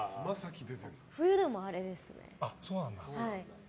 冬でもあれです。